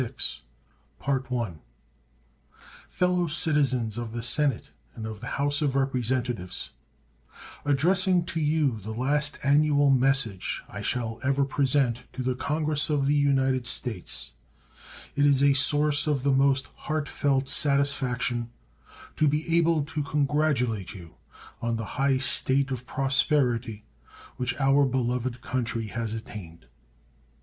State of the Union Address Andrew Jackson December 5, 1836 Fellow Citizens of the Senate and of the House of Representatives: Addressing to you the last annual message I shall ever present to the Congress of the United States, it is a source of the most heartfelt satisfaction to be able to congratulate you on the high state of prosperity which our beloved country has attained.